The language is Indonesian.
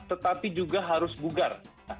tetapi juga harus bugar